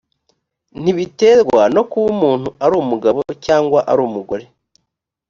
ntibiterwa no kuba umuntu ari umugabo cyangwa ari umugore